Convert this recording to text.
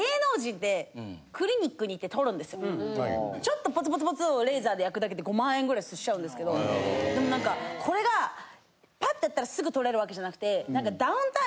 ちょっとポツポツをレーザーで焼くだけで５万円ぐらいしちゃうんですけどでもなんかこれがパッ！ってやったらすぐ取れるわけじゃなくて何か。